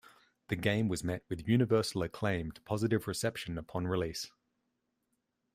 The game was met with universal acclaim to positive reception upon release.